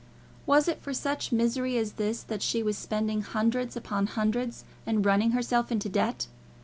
Was it for such misery as this that she was spending hundreds upon hundreds, and running herself into debt?